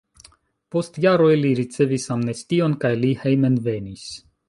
Post jaroj li ricevis amnestion kaj li hejmenvenis.